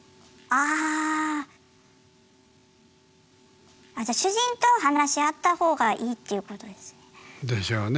あじゃあ主人と話し合った方がいいっていうことですね。でしょうね。